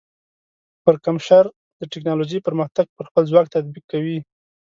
پرکمشر د ټیکنالوجۍ پرمختګ پر خپل ځواک تطبیق کوي.